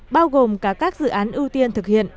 bao gồm cả các dự án ưu tiên thực hiện